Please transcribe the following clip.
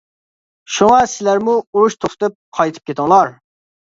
شۇڭا سىلەرمۇ ئۇرۇش توختىتىپ قايتىپ كېتىڭلار.